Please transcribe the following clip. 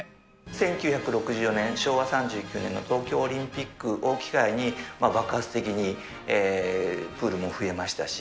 １９６４年・昭和３９年の東京オリンピックを機会に、爆発的にプールも増えましたし、